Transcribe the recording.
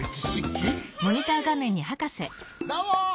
どうも！